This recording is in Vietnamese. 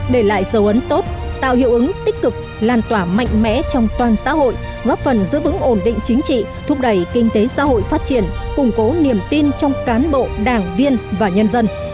để lại dấu ấn tốt tạo hiệu ứng tích cực lan tỏa mạnh mẽ trong toàn xã hội góp phần giữ vững ổn định chính trị thúc đẩy kinh tế xã hội phát triển củng cố niềm tin trong cán bộ đảng viên và nhân dân